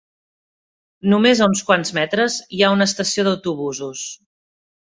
Només a uns quants metres hi ha una estació d'autobusos.